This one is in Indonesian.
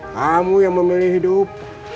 kamu yang memilih hidup